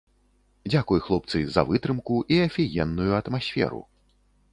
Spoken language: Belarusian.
Дзякуй, хлопцы, за вытрымку і афігенную атмасферу.